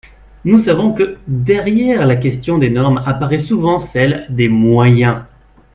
Nous savons que, derrière la question des normes, apparaît souvent celle des moyens.